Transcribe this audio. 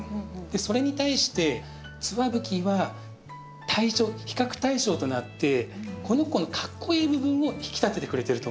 それに対してツワブキは対称比較対称となってこの子のかっこいい部分を引き立ててくれてると思います。